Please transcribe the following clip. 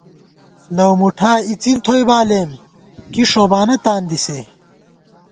لَؤمُٹھا اِڅِن تھوئی بالېم ، کی ݭوبانہ تاندی سے